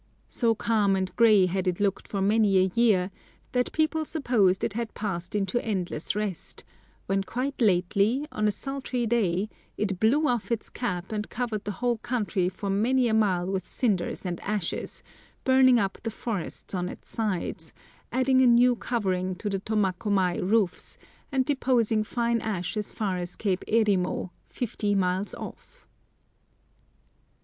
So calm and grey had it looked for many a year that people supposed it had passed into endless rest, when quite lately, on a sultry day, it blew off its cap and covered the whole country for many a mile with cinders and ashes, burning up the forest on its sides, adding a new covering to the Tomakomai roofs, and depositing fine ash as far as Cape Erimo, fifty miles off.